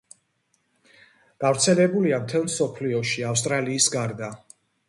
გავრცელებულია მთელ მსოფლიოში ავსტრალიის გარდა.